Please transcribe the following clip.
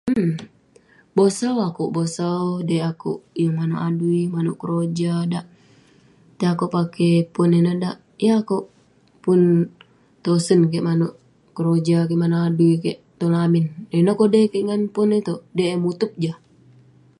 Bosau akouk, bosau... De akouk yeng manouk adui, manouk keroja dak. Tei akouk pake pon ineh dak, yeng akouk pun terosen kik manouk keroja kik, manouk adui kik tong lamin. Ineh kodai kik ngan pon kik iteuk, de eh mutup jah.